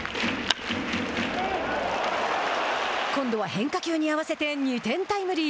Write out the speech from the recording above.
今度は変化球に合わせて２点タイムリー。